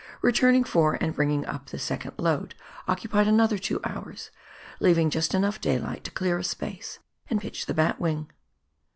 Returning for and bringing up the second load occupied another two hours, leaving just enough daylight to clear a space and pitch the batwing.